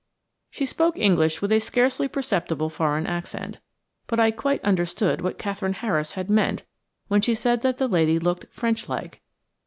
She spoke English with a scarcely perceptible foreign accent, but I quite understood what Katherine Harris had meant when she said that the lady looked "French like."